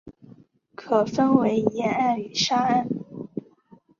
可分为岩岸与沙岸。